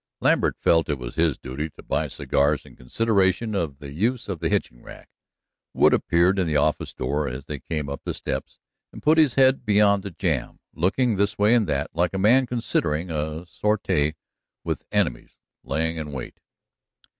Lambert felt that it was his duty to buy cigars in consideration of the use of the hitching rack. Wood appeared in the office door as they came up the steps, and put his head beyond the jamb, looking this way and that, like a man considering a sortie with enemies lying in wait.